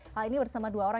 hal ini bersama dua orang